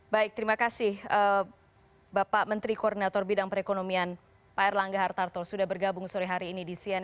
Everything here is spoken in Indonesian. baik terima kasih bapak menteri koordinator bidang perekonomian pak erlangga hartarto sudah bergabung sore hari ini di cnn